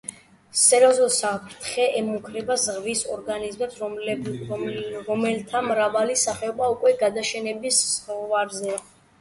სერიოზული საფრთხე ემუქრებათ ზღვის ორგანიზმებს, რომელთა მრავალი სახეობა უკვე გადაშენების ზღვარზეა.